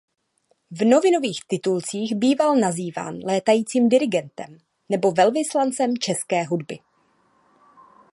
V novinových titulcích býval nazýván "Létajícím dirigentem" nebo "Velvyslancem české hudby".